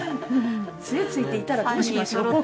杖ついていたらどうしましょう。